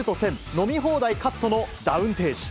飲み放題カットのダウン提示。